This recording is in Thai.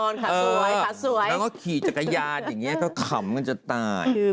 นั่งก็ขีดจักรยานเขาขำกันจะตาย